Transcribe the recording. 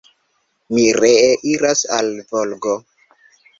Mi ree iras al Volgo.